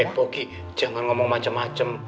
eh bogi jangan ngomong macem macem